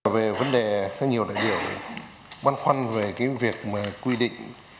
về vấn đề có nhiều đại biểu băn khoăn về cái việc mà quy định